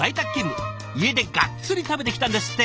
家でがっつり食べてきたんですって。